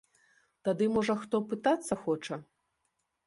Тады можа хто пытацца хоча?